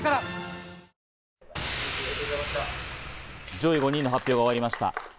上位５人の発表が終わりました。